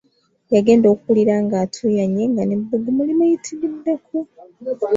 Yagenda okuwulira nga atuuyanye nga n’ebbugumu limuyitiriddeko.